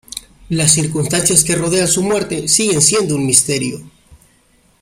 Las circunstancias que rodean su muerte siguen siendo un misterio.